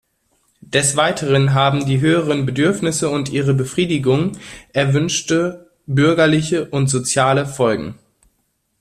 Des Weiteren haben die höheren Bedürfnisse und ihre Befriedigung erwünschte bürgerliche und soziale Folgen.